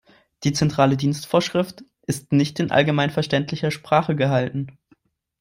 Die Zentrale Dienstvorschrift ist nicht in allgemeinverständlicher Sprache gehalten.